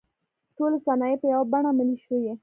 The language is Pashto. ټولې صنایع په یوه بڼه ملي شوې.